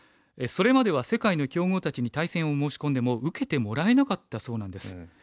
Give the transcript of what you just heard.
それまでは世界の強豪たちに対戦を申し込んでも受けてもらえなかったそうなんです。